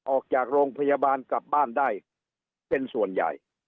ออกจากโรงพยาบาลกลับบ้านได้เป็นส่วนใหญ่